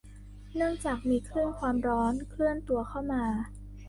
เนื้องจากมีคลื่นความร้อนเคลื่อนตัวเข้ามา